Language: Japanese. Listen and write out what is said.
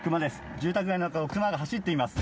住宅街の中をクマが走っています。